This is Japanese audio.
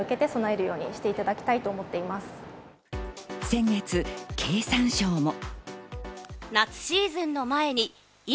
先月、経産省も。